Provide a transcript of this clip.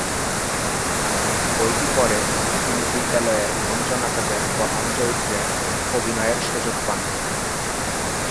বইটি পড়ে তিনি বিদ্যালয়ের মঞ্চনাটকের প্রধান চরিত্রে অভিনয়ের সুযোগ পান।